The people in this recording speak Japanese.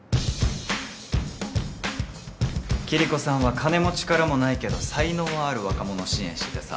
キリコさんは金も力もないけど才能はある若者を支援しててさ